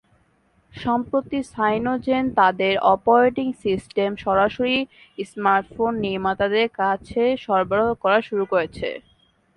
সম্প্রতি সাইনোজেন তাদের operating system সরাসরি স্মার্টফোন নির্মাতাদের কাছে সরবরাহ করা শুরু করেছে।